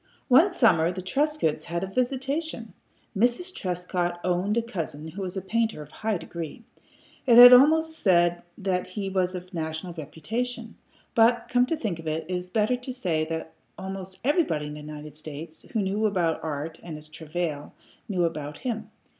One summer the Trescotts had a visitation. Mrs. Trescott owned a cousin who was a painter of high degree. I had almost said that he was of national reputation, but, come to think of it, it is better to say that almost everybody in the United States who knew about art and its travail knew about him.